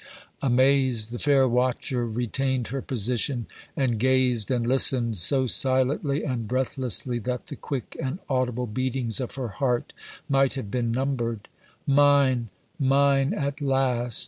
Amazed, the fair watcher retained her position, and gazed and listened so silently and breathlessly that the quick and audible beatings of her heart might have been numbered. "Mine mine at last!"